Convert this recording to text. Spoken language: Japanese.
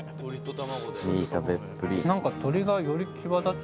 いい食べっぷり。